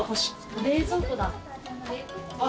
冷蔵庫だ。